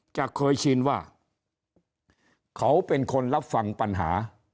จะเคยชินว่าเขาเป็นคนรับฟังปัญหา